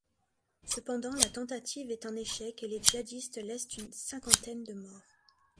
Cependant la tentative est un échec et les djihadistes laissent une cinquantaine de morts.